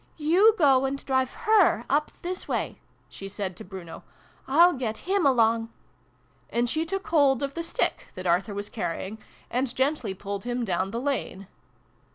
" You go and drive her, up this way," she said to Bruno. " I'll get him along !" And she took hold of the stick that Arthur was carrying, and gently pulled him down the lane.